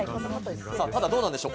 どうなんでしょう？